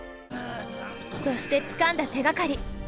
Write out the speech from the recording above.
そしてつかんだ手がかり。